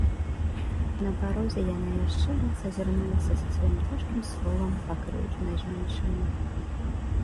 На парозе яна яшчэ раз азірнулася са сваім цяжкім словам пакрыўджанай жанчыны.